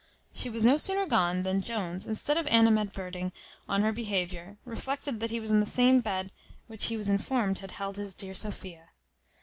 She was no sooner gone than Jones, instead of animadverting on her behaviour, reflected that he was in the same bed which he was informed had held his dear Sophia.